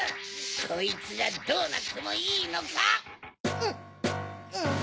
こいつがどうなってもいいのか⁉うぅ。